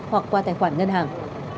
hoặc qua tài khoản ngân hàng